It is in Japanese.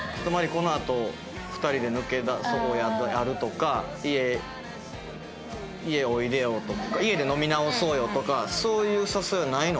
このあと２人で抜け出そうやってあるとか家家おいでよ家で飲み直そうよとかそういう誘いはないの？